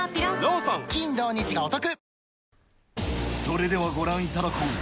それではご覧いただこう。